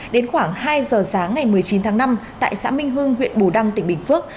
đến khoảng hai giờ sáng ngày một mươi chín tháng năm tại xã minh hưng huyện bù đăng tỉnh bình phước